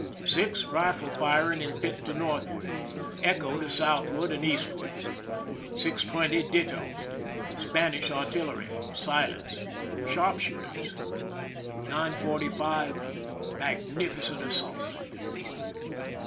6, rifle firing in pit to northward. Echo to southward and east ward. 6 : 20, ditto. Spanish artillery. Silence. Sharp shooters. 9 : 45, magnificent assault.